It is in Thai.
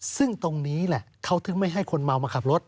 ซึ่งตรงนี้แหละเขาถึงไม่ให้คนเมามาขับรถ